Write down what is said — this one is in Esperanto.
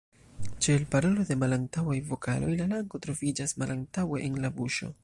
Ĉe elparolo de malantaŭaj vokaloj la lango troviĝas malantaŭe en la buŝo.